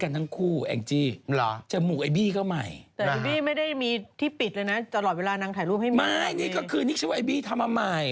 คนละอันคนละอันกับอันแรกที่มันโดนตีหน้า